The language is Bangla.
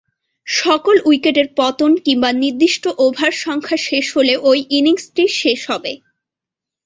সকল উইকেটের পতন কিংবা নির্দিষ্ট ওভার সংখ্যা শেষ হলে ঐ ইনিংসটি শেষ হবে।